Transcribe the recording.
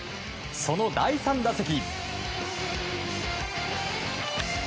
その第３打席。